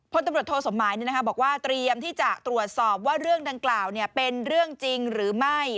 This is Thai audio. พลตำรวจโทสมหมายบอกว่าเตรียมที่จะตรวจสอบว่าเรื่องดังกล่าวเป็นเรื่องจริงหรือไม่